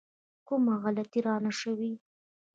کومه غلطي رانه شوې.